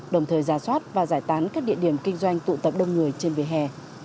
đồng thời giả soát và giải tán các địa điểm kinh doanh tụ tập đông người trên vỉa hè